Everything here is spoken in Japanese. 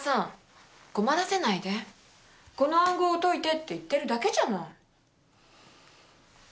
この暗号を解いてって言ってるだけじゃない。